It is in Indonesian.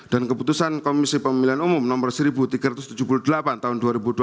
dan keputusan komisi pemilihan umum nomor seribu tiga ratus tujuh puluh delapan tahun dua ribu dua puluh tiga